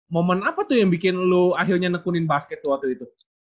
momen apa tuh yang bikin lo akhirnya nekunin basket tuh waktu itu